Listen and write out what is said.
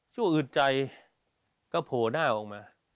อืดใจก็โผล่หน้าออกมา